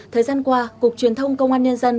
thời gian qua cục truyền thông công an nhân dân